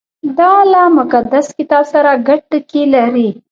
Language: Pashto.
• دا له مقدس کتاب سره ګډ ټکي لري.